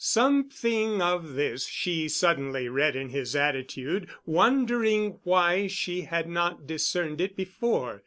Something of this she suddenly read in his attitude, wondering why she had not discerned it before.